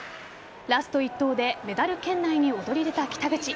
ラスト１投でメダル圏内に躍り出た北口。